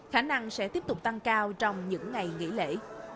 khả năng sẽ tiếp tục tăng cao trong những ngày nghỉ lễ